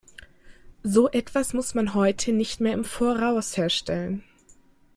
So etwas muss man heute nicht mehr im Voraus herstellen.